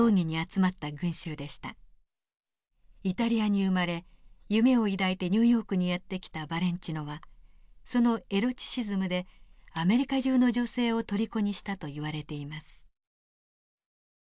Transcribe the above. イタリアに生まれ夢を抱いてニューヨークにやって来たバレンチノはそのエロチシズムでアメリカ中の女性をとりこにしたといわれています。